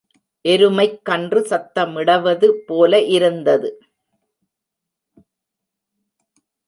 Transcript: எருமைக் கன்று சத்தமிடவது போல இருந்தது.